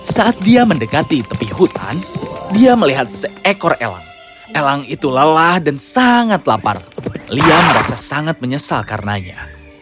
saat dia mendekati tepi hutan dia melihat seekor elang elang itu lelah dan sangat lapar lia merasa sangat menyesal karenanya